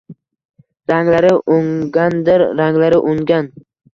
Ranglari o‘nggandir, ranglari o‘nggan